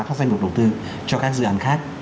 các doanh nghiệp đầu tư cho các dự án khác